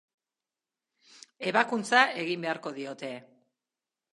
Ebakuntza egin beharko diote.